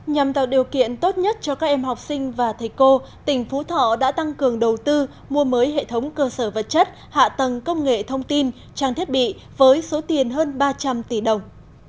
nhằm tạo điều kiện tốt nhất cho các em học sinh và thầy cô tỉnh phú thọ đã tăng cường đầu tư mua mới hệ thống cơ sở vật chất hạ tầng công nghệ thông tin trang thiết bị với số tiền hơn ba trăm linh tỷ đồng